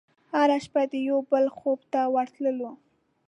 هره شپه د یوه بل خوب ته ورتللو